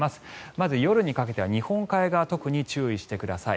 まず夜にかけて日本海側特に注意してください。